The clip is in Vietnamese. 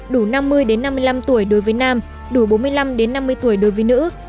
đủ năm mươi năm mươi năm tuổi đối với nam đủ bốn mươi năm năm mươi tám tuổi đối với việt nam